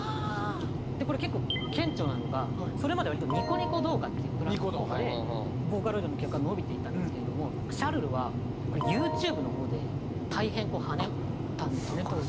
でこれ結構顕著なのがそれまでは割とニコニコ動画っていうプラットフォームでボーカロイドの曲は伸びていたんですけれども『シャルル』はＹｏｕＴｕｂｅの方で大変こうはねたんですね当時。